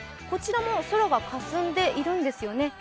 こちらも空がかすんでいるんですよね。